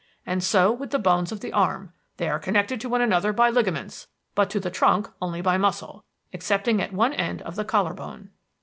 And so with the bones of the arm; they are connected to one another by ligaments; but to the trunk only by muscle, excepting at one end of the collar bone.